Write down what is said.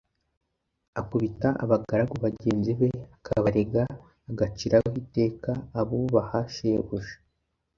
Akubita abagaragu bagenzi be akabarega agaciraho iteka abubaha shebuja.